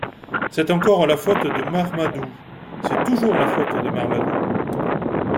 C’est encore la faute de Marmadou… c’est toujours la faute de Marmadou !